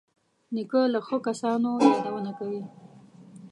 نیکه له ښو کسانو یادونه کوي.